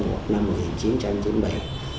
từ ngày một tháng một năm một nghìn chín trăm chín mươi bảy